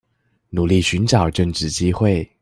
努力尋找正職機會